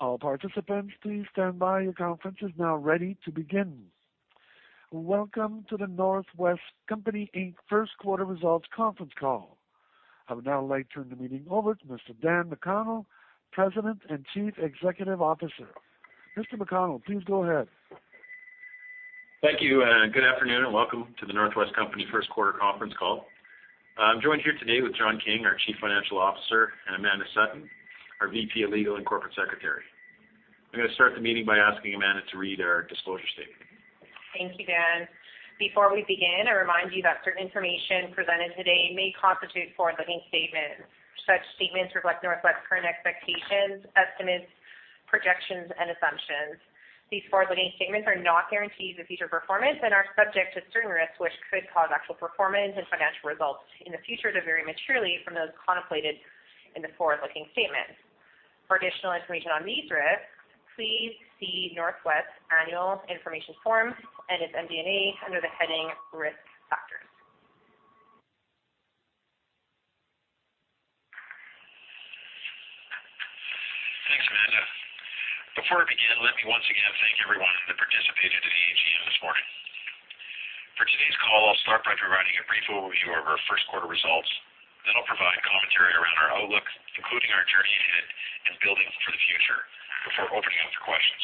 All participants, please stand by. Your conference is now ready to begin. Welcome to The North West Company Inc. First Quarter Results Conference Call. I would now like to turn the meeting over to Mr. Dan McConnell, President and Chief Executive Officer. Mr. McConnell, please go ahead. Thank you, and good afternoon, and welcome to The North West Company First Quarter Conference Call. I'm joined here today with John King, our Chief Financial Officer, and Amanda Sutton, our VP of Legal and Corporate Secretary. I'm going to start the meeting by asking Amanda to read our disclosure statement. Thank you, Dan. Before we begin, I remind you that certain information presented today may constitute forward-looking statements. Such statements reflect North West current expectations, estimates, projections, and assumptions. These forward-looking statements are not guarantees of future performance and are subject to certain risks, which could cause actual performance and financial results in the future to vary materially from those contemplated in the forward-looking statements. For additional information on these risks, please see North West Annual Information Form and its MD&A under the heading Risk Factors. Thanks, Amanda. Before I begin, let me once again thank everyone that participated in the AGM this morning. For today's call, I'll start by providing a brief overview of our first quarter results. I'll provide commentary around our outlook, including our journey ahead and building for the future, before opening up for questions.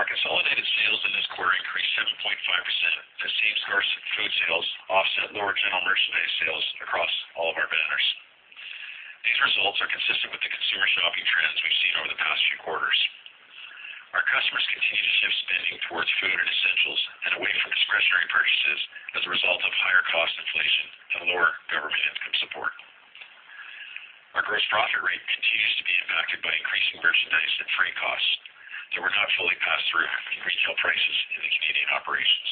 Our consolidated sales in this quarter increased 7.5% as same store food sales offset lower general merchandise sales across all of our banners. These results are consistent with the consumer shopping trends we've seen over the past few quarters. Our customers continue to shift spending towards food and essentials and away from discretionary purchases as a result of higher cost inflation and lower government income support. Our gross profit rate continues to be impacted by increasing merchandise and freight costs that were not fully passed through in retail prices in the Canadian operations.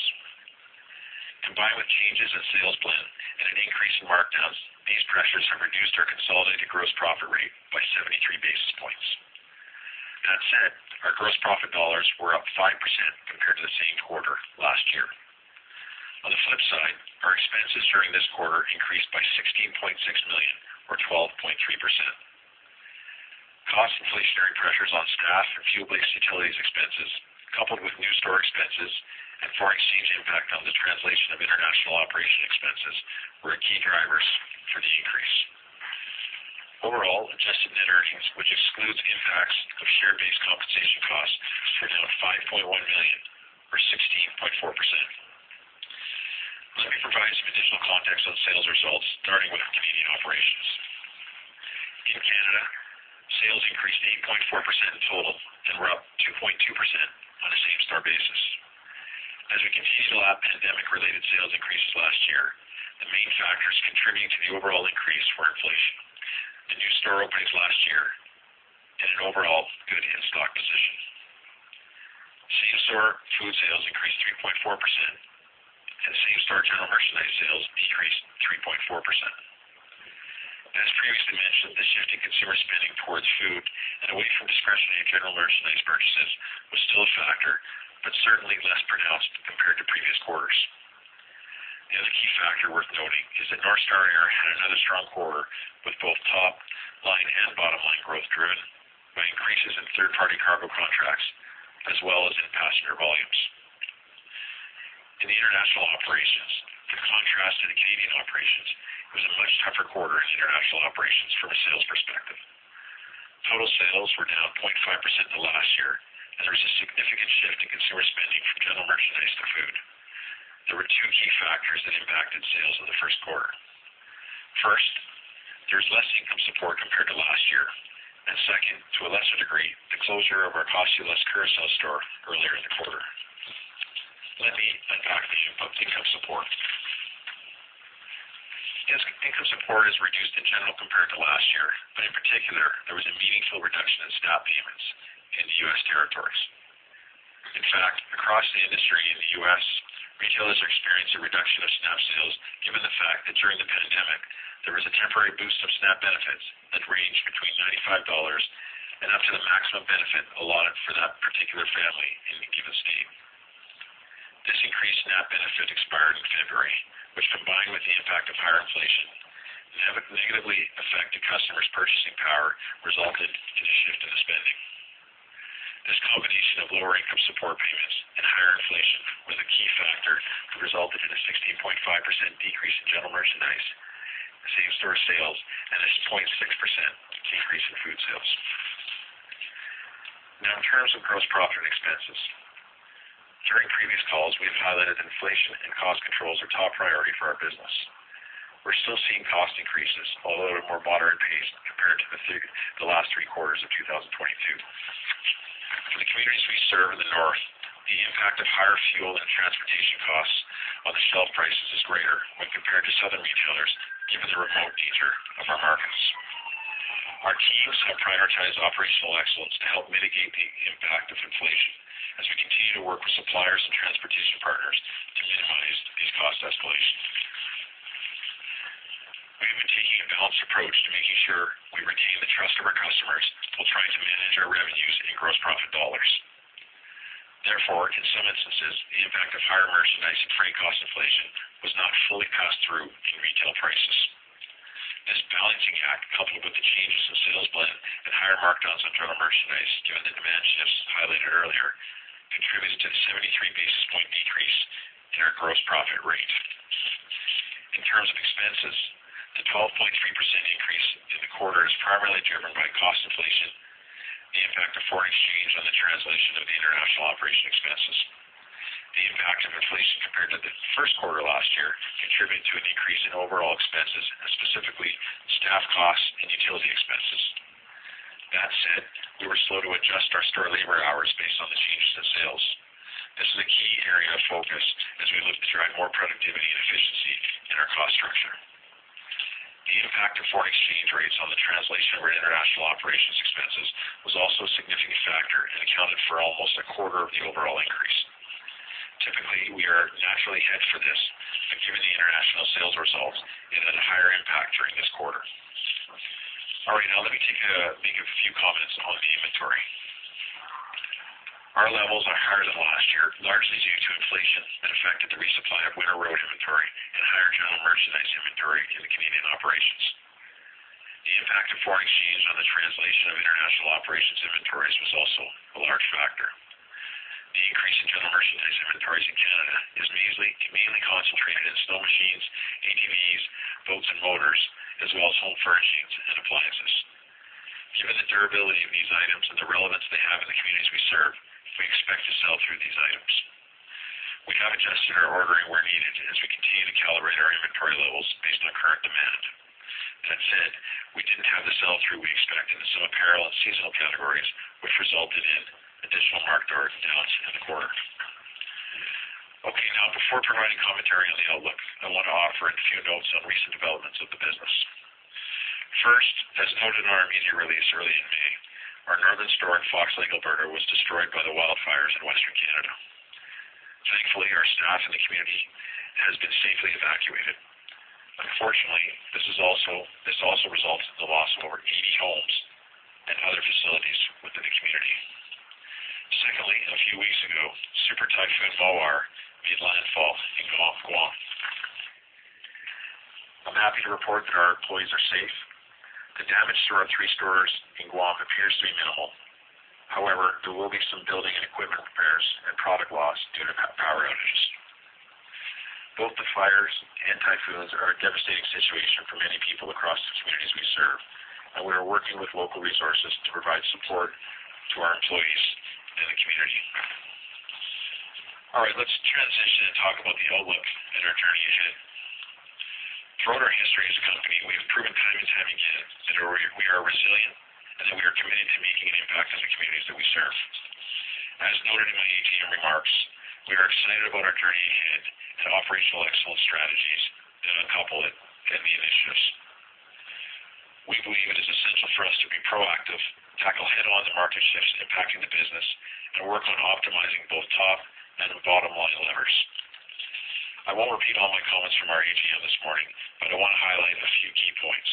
Combined with changes in sales plan and an increase in markdowns, these pressures have reduced our consolidated gross profit rate by 73 basis points. Our gross profit dollars were up 5% compared to the same quarter last year. Our expenses during this quarter increased by 16.6 million, or 12.3%. Cost inflationary pressures on staff and fuel-based utilities expenses, coupled with new store expenses and foreign exchange impact on the translation of international operation expenses, were key drivers for the increase. Adjusted net earnings, which excludes the impacts of share-based compensation costs, were down 5.1 million, or 16.4%. Let me provide some additional context on sales results, starting with our Canadian operations. In Canada, sales increased 8.4% in total, and were up 2.2% on a same-store basis. As we continue to lap pandemic-related sales increases last year, the main factors contributing to the overall increase were inflation, the new store openings last year, and an overall good in-stock position. Same-store food sales increased 3.4%, and same-store general merchandise sales decreased 3.4%. As previously mentioned, the shift in consumer spending towards food and away from discretionary general merchandise purchases was still a factor, but certainly less pronounced compared to previous quarters. The other key factor worth noting is that North Star Air had another strong quarter, with both top-line and bottom-line growth driven by increases in third-party cargo contracts as well as in passenger volumes. In the international operations, in contrast to the Canadian operations, it was a much tougher quarter in international operations from a sales perspective. Total sales were down 0.5% to last year. There was a significant shift in consumer spending from general merchandise to food. There were two key factors that impacted sales in the first quarter. First, there was less income support compared to last year. Second, to a lesser degree, the closure of our Cost-U-Less Curaçao store earlier in the quarter. Let me unpack the issue of income support. Income support is reduced in general compared to last year, but in particular, there was a meaningful reduction in SNAP payments in the U.S. territories. In fact, across the industry in the U.S., retailers experienced a reduction of SNAP sales, given the fact that during the pandemic, there was a temporary boost of SNAP benefits that ranged between $95 and up to the maximum benefit allotted for that particular family in a given state. This increased SNAP benefit expired in February, which, combined with the impact of higher inflation, negatively affected customers' purchasing power, resulted in a shift in the spending. This combination of lower income support payments and higher inflation was a key factor that resulted in a 16.5% decrease in general merchandise, same-store sales, and a 0.6% decrease in food sales. In terms of gross profit and expenses, during previous calls, we have highlighted inflation and cost control as our top priority for our business. We're still seeing cost increases, although at a more moderate pace compared to the last three quarters of 2022. For the communities we serve in the North, the impact of higher fuel and transportation costs on the shelf prices is greater when compared to southern retailers, given the remote nature of our markets. Our teams have prioritized operational excellence to help mitigate the impact of inflation as we continue to work with suppliers and transportation partners to minimize these cost escalations. We have been taking a balanced approach to making sure we retain the trust of our customers while trying to manage our revenues and gross profit dollars. In some instances, the impact of higher merchandise and freight cost inflation was not fully passed through in retail prices. This balancing act, coupled with the changes in sales blend and higher markdowns on general merchandise due to the demand shifts highlighted earlier, contributed to the 73 basis point decrease in our gross profit rate. In terms of expenses, the 12.3% increase in the quarter is primarily driven by cost inflation, the impact of foreign exchange on the translation of the international operation expenses. The impact of inflation compared to the first quarter last year contributed to a decrease in overall expenses, and specifically staff costs and utility expenses. That said, we were slow to adjust our store labor hours based on the changes in sales. This is a key area of focus as we look to drive more productivity and efficiency in our cost structure. The impact of foreign exchange rates on the translation of our international operations expenses was also a significant factor and accounted for almost a quarter of the overall increase. Typically, we are naturally hedged for this, but given the international sales results, it had a higher impact during this quarter. Now let me make a few comments on the inventory. Our levels are higher than last year, largely due to inflation that affected the resupply of winter road inventory and higher general merchandise inventory in the Canadian operations. The impact of foreign exchange on the translation of international operations inventories was also a large factor. The increase in general merchandise inventories in Canada is mainly concentrated in snow machines, ATVs, boats and motors, as well as home furnishings and appliances. Given the durability of these items and the relevance they have in the communities we serve, we expect to sell through these items. We have adjusted our ordering where needed as we continue to calibrate our inventory levels based on current demand. That said, we didn't have the sell-through we expected in some apparel and seasonal categories, which resulted in additional markdown accounts in the quarter. Okay, now, before providing commentary on the outlook, I want to offer a few notes on recent developments of the business. First, as noted in our media release early in May, our Northern store in Fox Lake, Alberta, was destroyed by the wildfires in Western Canada. Thankfully, our staff in the community has been safely evacuated. Unfortunately, this also results in the loss of over 80 homes and other facilities within the community. Secondly, a few weeks ago, Super Typhoon Mawar made landfall in Guam. I'm happy to report that our employees are safe. The damage to our three stores in Guam appears to be minimal. However, there will be some building and equipment repairs and product loss due to power outages. Both the fires and typhoons are a devastating situation for many people across the communities we serve, and we are working with local resources to provide support to our employees and the community. All right, let's transition and talk about the outlook and our journey ahead. Throughout our history as a company, we have proven time and time again that we are resilient and that we are committed to making an impact on the communities that we serve. As noted in my AGM remarks, we are excited about our journey ahead and operational excellence strategies and a couple of key initiatives. We believe it is essential for us to be proactive, tackle head-on the market shifts impacting the business, and work on optimizing both top and bottom-line levers. I won't repeat all my comments from our AGM this morning, I want to highlight a few key points.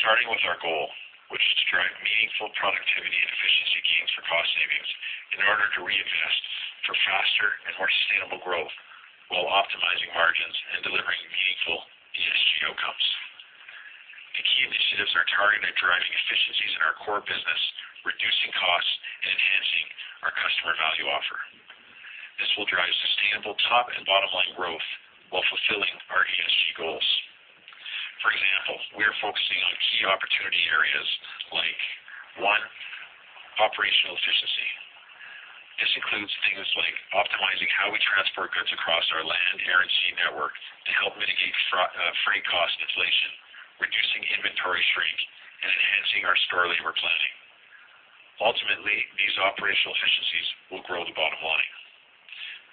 Starting with our goal, which is to drive meaningful productivity and efficiency gains for cost savings in order to reinvest for faster and more sustainable growth while optimizing margins and delivering meaningful ESG outcomes. The key initiatives are targeted at driving efficiencies in our core business, reducing costs, and enhancing our customer value offer. This will drive sustainable top and bottom-line growth while fulfilling our ESG goals. For example, we are focusing on key opportunity areas like. One, operational efficiency. This includes things like optimizing how we transport goods across our land, air, and sea network to help mitigate freight cost inflation, reducing inventory shrink, and enhancing our store labor planning. Ultimately, these operational efficiencies will grow the bottom line.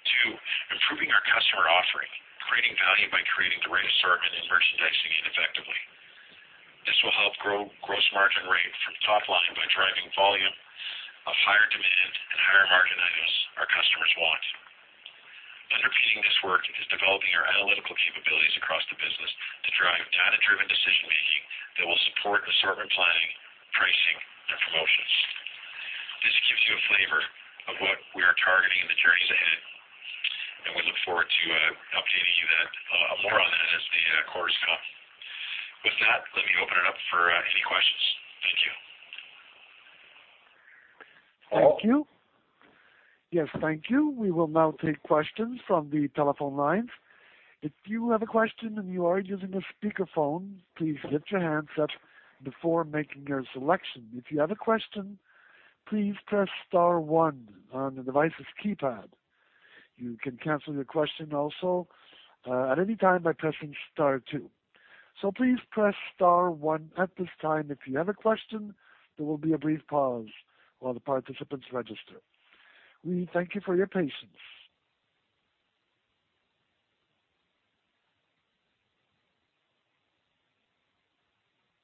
Two, improving our customer offering, creating value by creating the right assortment and merchandising it effectively. This will help grow gross margin rate from top line by driving volume of higher demand and higher-margin items our customers want. Underpinning this work is developing our analytical capabilities across the business to drive data-driven decision making that will support assortment, planning, pricing, and promotions. This gives you a flavor of what we are targeting in the journeys ahead, and we look forward to updating you that more on that as the quarters come. With that, let me open it up for any questions. Thank you. Thank you. Yes, thank you. We will now take questions from the telephone lines. If you have a question and you are using a speakerphone, please lift your handset before making your selection. If you have a question, please press star one on the device's keypad. You can cancel your question also at any time by pressing star two. Please press star one at this time if you have a question. There will be a brief pause while the participants register. We thank you for your patience.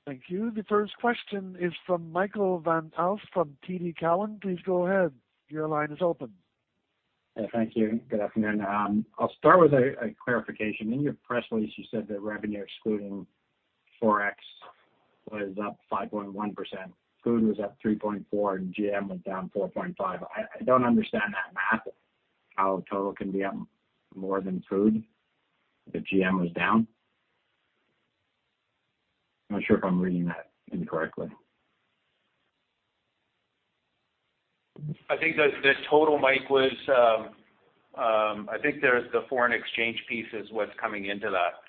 Thank you. The first question is from Michael Van Aelst from TD Cowen. Please go ahead. Your line is open. Thank you. Good afternoon. I'll start with a clarification. In your press release, you said that revenue excluding Forex was up 5.1%. Food was up 3.4%, and GM was down 4.5%. I don't understand that math, how total can be up more than food if GM was down? I'm not sure if I'm reading that incorrectly. I think the total, Mike, was, I think there's the foreign exchange piece is what's coming into that.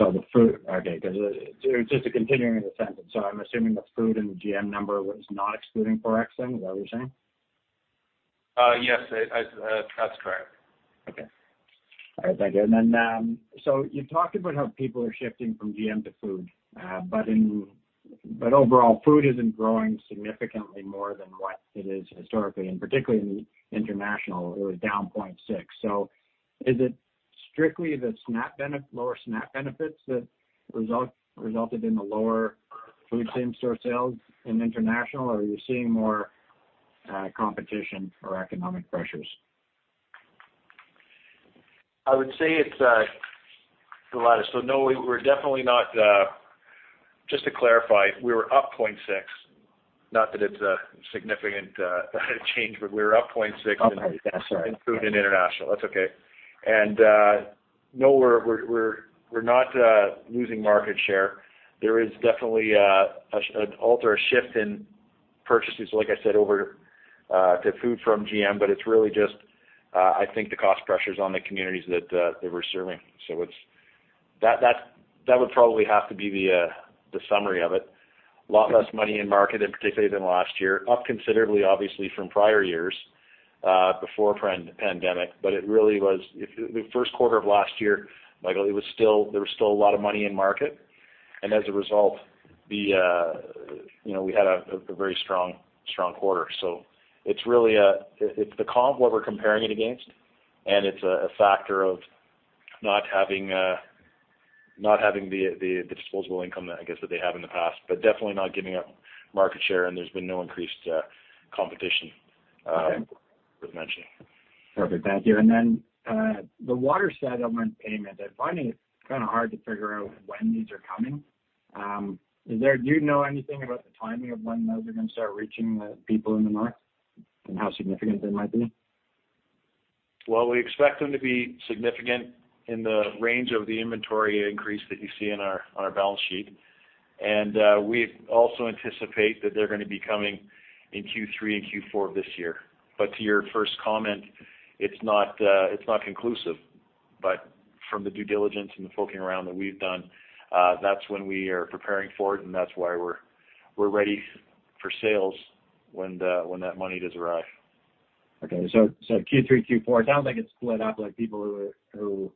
Okay, because it, just to continuing the sentence, so I'm assuming the food and GM number was not excluding Forex then, is that what you're saying? Yes, that's correct. Okay. All right, thank you. Then, you talked about how people are shifting from GM to food, but overall, food isn't growing significantly more than what it is historically, and particularly in the international, it was down 0.6%. Is it strictly the SNAP lower SNAP benefits that resulted in the lower food same store sales in international, or are you seeing more competition or economic pressures? I would say it's. No, we're definitely not. Just to clarify, we were up .6, not that it's a significant change, but we were up .6. Okay. Yeah, sorry. In food and international. That's okay. No, we're not losing market share. There is definitely an alter or a shift in purchases, like I said, over to food from GM, but it's really just, I think the cost pressures on the communities that we're serving. That would probably have to be the summary of it. Lot less money in market, in particularly than last year, up considerably, obviously, from prior years before pandemic, but it really was... The first quarter of last year, Michael, there was still a lot of money in market, and as a result, you know, we had a very strong quarter. It's really, it's the comp, what we're comparing it against, and it's a factor of not having the disposable income that, I guess, that they have in the past, but definitely not giving up market share, and there's been no increased competition. As mentioned. Perfect. Thank you. The Water settlement payment, I'm finding it kind of hard to figure out when these are coming. Do you know anything about the timing of when those are going to start reaching the people in the market and how significant they might be? Well, we expect them to be significant in the range of the inventory increase that you see in our, on our balance sheet. We also anticipate that they're going to be coming in Q3 and Q4 of this year. To your first comment, it's not, it's not conclusive, but from the due diligence and the poking around that we've done, that's when we are preparing for it, and that's why we're ready for sales when the, when that money does arrive. Okay. Q3, Q4, it sounds like it's split up, like people who are, who,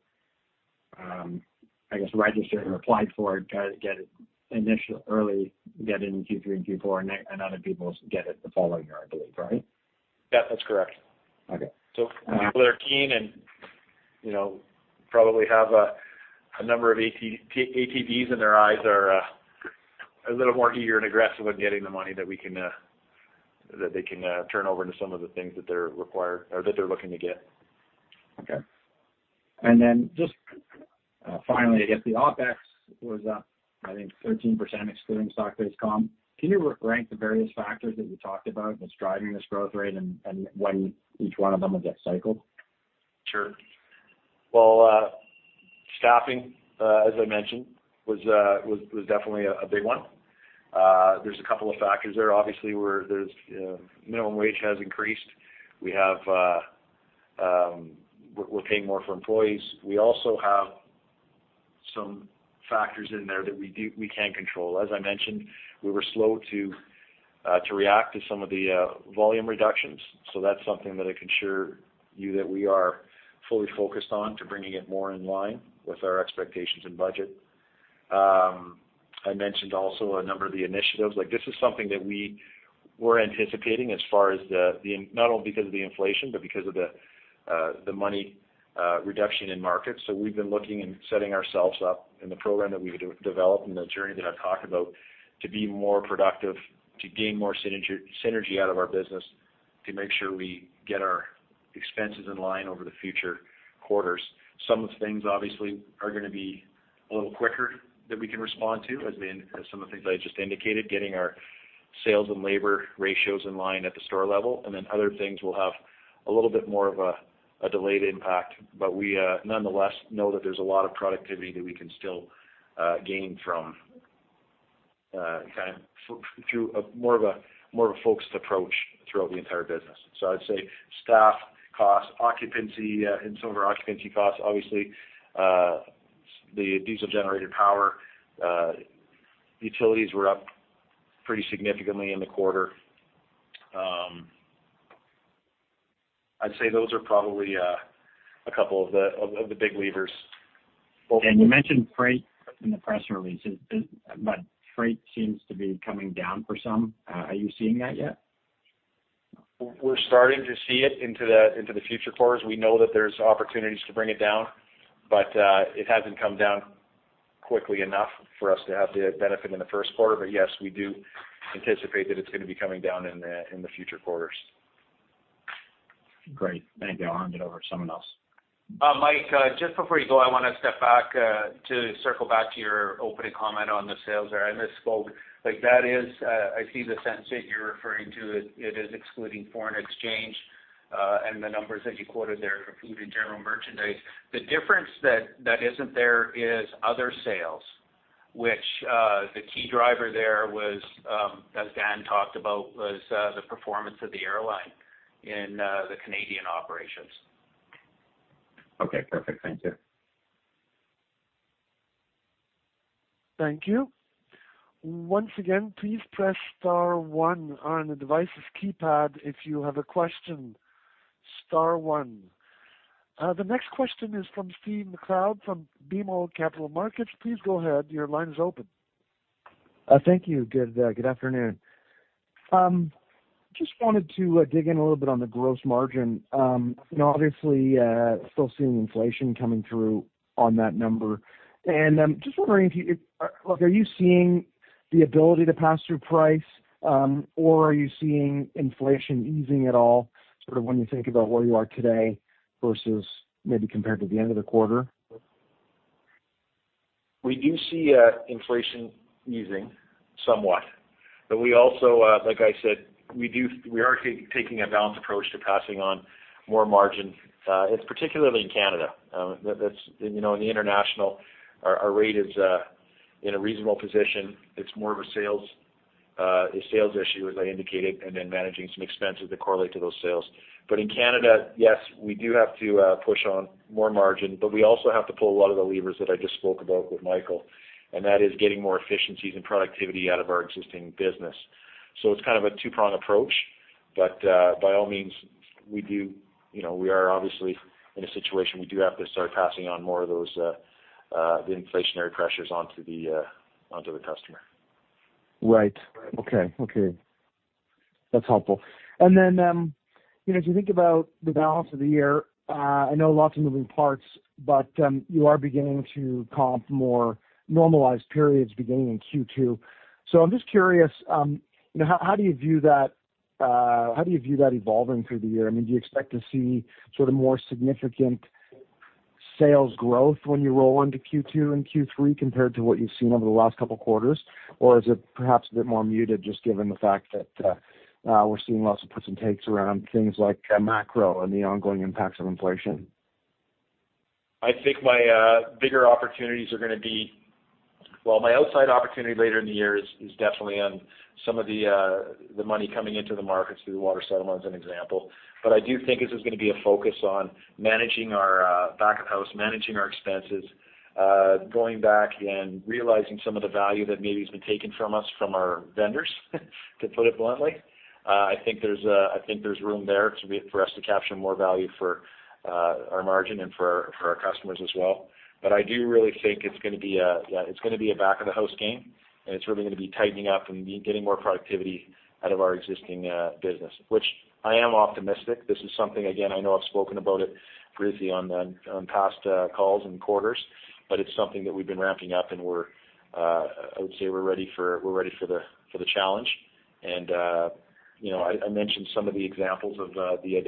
I guess register and applied for it, get it early, get it in Q3 and Q4, and then, and other people get it the following year, I believe, right? Yeah, that's correct. Okay. People are keen and, you know, probably have a number of ATVs in their eyes are a little more eager and aggressive in getting the money that we can that they can turn over to some of the things that they're required or that they're looking to get. Okay. Finally, I guess the OpEx was up, I think, 13%, excluding stock-based comp. Can you rank the various factors that you talked about that's driving this growth rate and when each one of them will get cycled? Sure. Well, staffing, as I mentioned, was definitely a big one. There's a couple of factors there. Obviously, there's minimum wage has increased. We have, we're paying more for employees. We also have some factors in there that we can't control. As I mentioned, we were slow to react to some of the volume reductions. That's something that I can assure you that we are fully focused on to bringing it more in line with our expectations and budget. I mentioned also a number of the initiatives, like this is something that we were anticipating as far as the, not only because of the inflation, but because of the money reduction in market. We've been looking and setting ourselves up in the program that we developed and the journey that I've talked about, to be more productive, to gain more synergy out of our business, to make sure we get our expenses in line over the future quarters. Some of the things obviously are gonna be a little quicker that we can respond to, as some of the things I just indicated, getting our sales and labor ratios in line at the store level, and then other things will have a little bit more of a delayed impact. We, nonetheless, know that there's a lot of productivity that we can still gain from kind of through a more of a focused approach throughout the entire business. I'd say staff costs, occupancy, and some of our occupancy costs, obviously, the diesel generator power, utilities were up pretty significantly in the quarter. I'd say those are probably a couple of the big levers. You mentioned freight in the press release. Freight seems to be coming down for some. Are you seeing that yet? We're starting to see it into the future quarters. We know that there's opportunities to bring it down, but it hasn't come down quickly enough for us to have the benefit in the first quarter. Yes, we do anticipate that it's going to be coming down in the future quarters. Great, thank you. I'll hand it over to someone else. Mike, just before you go, I want to step back, to circle back to your opening comment on the sales there. I misspoke. Like that is, I see the sense that you're referring to it is excluding foreign exchange. The numbers that you quoted there include in general merchandise. The difference that isn't there is other sales, which, the key driver there was, as Dan talked about, was, the performance of the airline in, the Canadian operations. Okay, perfect. Thank you. Thank you. Once again, please press star one on the devices keypad if you have a question, star one. The next question is from Stephen MacLeod from BMO Capital Markets. Please go ahead, your line is open. Thank you. Good, good afternoon. Just wanted to dig in a little bit on the gross margin. You know, obviously, still seeing inflation coming through on that number. Just wondering, look, are you seeing the ability to pass through price, or are you seeing inflation easing at all, sort of when you think about where you are today versus maybe compared to the end of the quarter? We do see inflation easing somewhat, but we also, like I said, we are taking a balanced approach to passing on more margin. It's particularly in Canada, that's, you know, in the international, our rate is in a reasonable position. It's more of a sales issue, as I indicated, and then managing some expenses that correlate to those sales. In Canada, yes, we do have to push on more margin, but we also have to pull a lot of the levers that I just spoke about with Michael, and that is getting more efficiencies and productivity out of our existing business. It's kind of a two-prong approach, but by all means, we do, you know, we are obviously in a situation, we do have to start passing on more of those, the inflationary pressures onto the customer. Right. Okay, okay. That's helpful. Then, you know, if you think about the balance of the year, I know lots of moving parts, but you are beginning to comp more normalized periods beginning in Q2. I'm just curious, you know, how do you view that evolving through the year? I mean, do you expect to see sort of more significant sales growth when you roll into Q2 and Q3, compared to what you've seen over the last couple of quarters? Or is it perhaps a bit more muted, just given the fact that we're seeing lots of puts and takes around things like macro and the ongoing impacts of inflation? I think my bigger opportunities are gonna be well, my outside opportunity later in the year is definitely on some of the money coming into the markets through the water settlement, as an example. I do think this is gonna be a focus on managing our back of house, managing our expenses, going back and realizing some of the value that maybe has been taken from us, from our vendors, to put it bluntly. I think there's room there for us to capture more value for our margin and for our customers as well. I do really think it's gonna be a, yeah, it's gonna be a back of the house game, and it's really gonna be tightening up and getting more productivity out of our existing business, which I am optimistic. This is something, again, I know I've spoken about it briefly on past calls and quarters, but it's something that we've been ramping up, and I would say we're ready for the challenge. You know, I mentioned some of the examples of the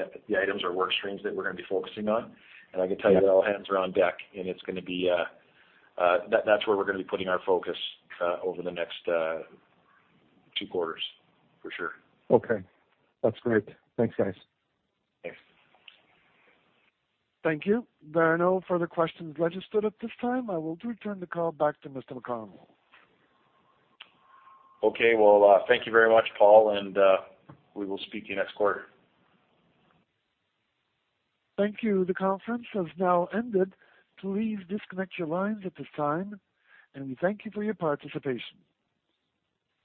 items or work streams that we're gonna be focusing on, and I can tell you that all hands are on deck, and it's gonna be that's where we're gonna be putting our focus over the next two quarters, for sure. Okay, that's great. Thanks, guys. Thanks. Thank you. There are no further questions registered at this time. I will return the call back to Mr. McConnell. Okay, well, thank you very much, Paul, and, we will speak to you next quarter. Thank you. The conference has now ended. Please disconnect your lines at this time, and we thank you for your participation.